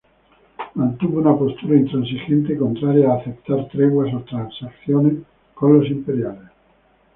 Mantuvo una postura intransigente, contraria a aceptar treguas o transacciones con los imperiales.